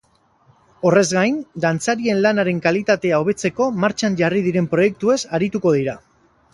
Horrez gain, dantzarien lanaren kalitatea hobetzeko martxan jarri diren proiektuez arituko dira.